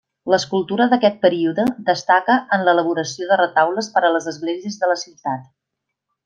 L'escultura d'aquest període destaca en l'elaboració de retaules per a les esglésies de la ciutat.